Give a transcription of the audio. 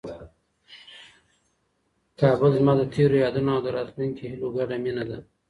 کابل زما د تېرو یادونو او د راتلونکي هیلو ګډه مېنه ده.